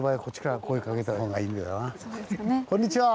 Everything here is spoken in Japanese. こんにちは！